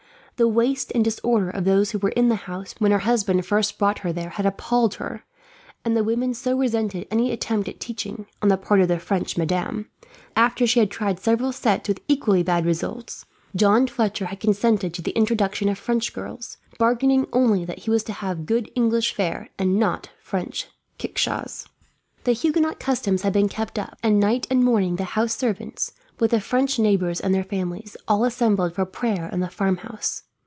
The waste and disorder of those who were in the house when her husband first brought her there had appalled her; and the women so resented any attempt at teaching, on the part of the French madam, that after she had tried several sets with equally bad results, John Fletcher had consented to the introduction of French girls; bargaining only that he was to have good English fare, and not French kickshaws. The Huguenot customs had been kept up, and night and morning the house servants, with the French neighbours and their families, all assembled for prayer in the farmhouse.